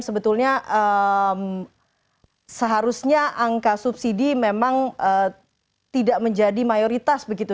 sebetulnya seharusnya angka subsidi memang tidak menjadi mayoritas begitu